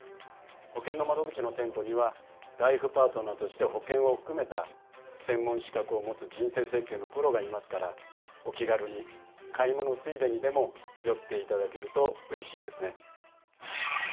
ほけんの窓口の店舗にはライフパートナーとして保険を含めた専門資格を持つ人生設計のプロがいますからお気軽に買い物ついでにでも寄っていただけるとうれしいですね。